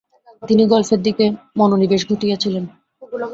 তিনি গল্ফের দিকে মনোনিবেশ ঘটিয়েছিলেন।